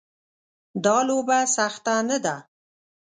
دا لوبه سخته نه ده.